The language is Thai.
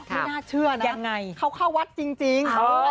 ไม่น่าเชื่อนะยังไงเขาเข้าวัดจริง